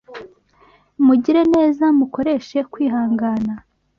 Mugire neza mukoreshe kwihangana